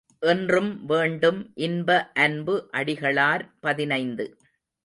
என்றும் வேண்டும் இன்ப அன்பு அடிகளார் பதினைந்து .